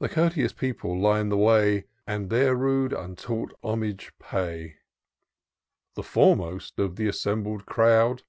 The courteous people line the way. And their rude, untaught homage pay : The foremost of the assembled crowd.